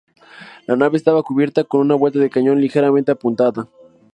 La nave estaba cubierta con una vuelta de cañón, ligeramente apuntada.